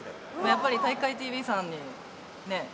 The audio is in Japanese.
やっぱり体育会ＴＶさんにねえ